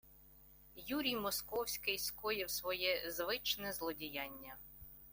Юрій Московський скоїв своє звичне злодіяння